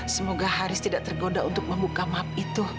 semoga haris tidak tergoda untuk membuka map itu